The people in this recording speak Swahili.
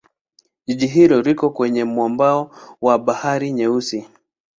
Jiji hilo liko kwenye mwambao wa Bahari Nyeusi.